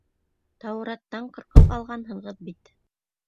Тәүраттан ҡырҡып алғанһығыҙ бит.